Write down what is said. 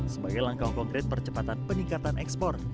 sebagai langkah konkret percepatan peningkatan ekspor